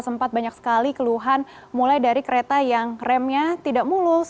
sempat banyak sekali keluhan mulai dari kereta yang remnya tidak mulus